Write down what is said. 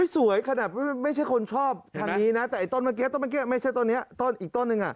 สวยขนาดไม่ใช่คนชอบทีนี้ไม่ใช่ต้นเนี้ยอีกต้นนึงน่ะ